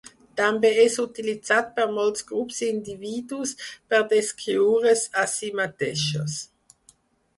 També és utilitzat per molts grups i individus per descriure's a si mateixos.